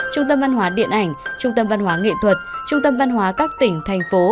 trung tâm văn hóa điện ảnh trung tâm văn hóa nghệ thuật trung tâm văn hóa các tỉnh thành phố